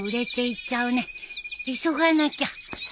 急がなきゃ